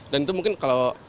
dan itu mungkin kalau